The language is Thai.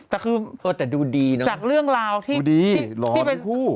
แต่คือแต่ดูดีเนอะจากเรื่องราวที่ดูดีรอทุกคู่